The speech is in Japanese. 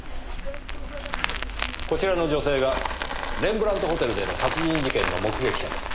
こちらの女性がレンブラントホテルでの殺人事件の目撃者です。